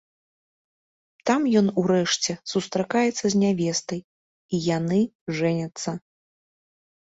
Там ён урэшце сустракаецца з нявестай, і яны жэняцца.